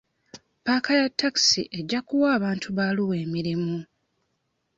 Paaka ya takisi ejja kuwa abantu ba Arua emirimu.